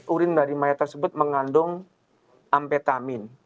urin dari mayat tersebut mengandung ampetamin